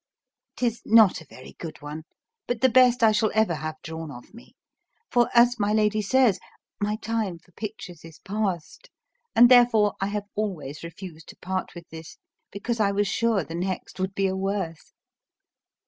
'Tis not a very good one, but the best I shall ever have drawn of me; for, as my Lady says, my time for pictures is past, and therefore I have always refused to part with this, because I was sure the next would be a worse.